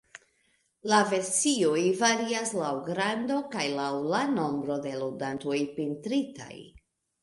La versioj varias laŭ grando kaj laŭ la nombro de ludantoj pentritaj.